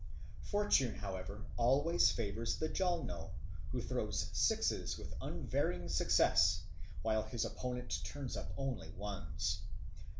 Fortune, however, always favours the Jalno, who throws sixes with unvarying success, while his opponent turns up only ones.